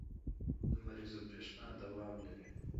لمریزه برېښنا دوام لري.